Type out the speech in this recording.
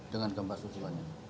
dengan gempa susulannya